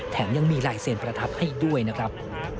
แถมยังมีลายเซ็นประทับให้ด้วยนะครับ